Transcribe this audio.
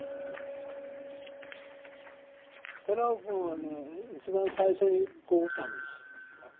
寺尾君はね一番最初にこうおったんですよ。